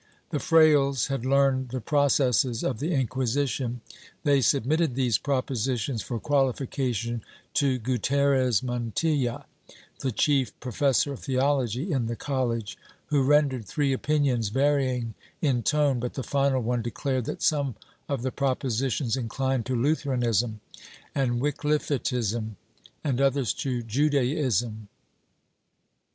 The frailes had learned the processes of the Inquisition; they submitted these propositions for qualification to Gutierrez Mantilla, the chief professor of theology in the college, who rendered three opinions, varying in tone, but the final one declared that some of the propositions inclined to Lutheranism and Wickliffitism and others to Judaism.